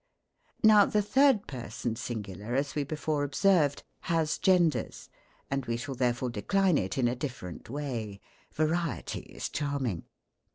Now the third person singular, as we before observ ed, has genders ; andwe shall therefore decline it in a different M^ay. Variety is charming.